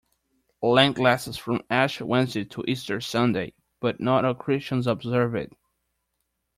Lent lasts from Ash Wednesday to Easter Sunday, but not all Christians observe it.